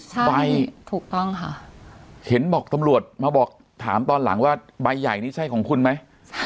ใช่ใบถูกต้องค่ะเห็นบอกตำรวจมาบอกถามตอนหลังว่าใบใหญ่นี่ใช่ของคุณไหม